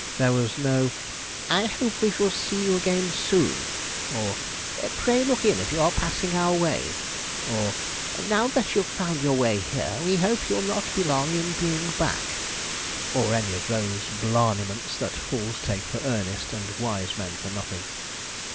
There was no 'I hope we shall see you again soon,' or 'Pray look in if you are passing our way,' or 'Now that you've found your way here we hope you'll not be long in being back,' or any of those blarneyments that fools take for earnest and wise men for nothing.